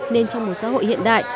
nên trong một xã hội hiện đại